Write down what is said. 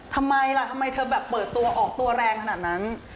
ทำไมล่ะทำไมเธอแบบเปิดตัวออกตัวแรงขนาดนั้น